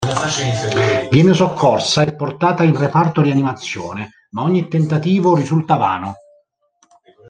Viene soccorsa e portata in reparto rianimazione, ma ogni tentativo risulta vano.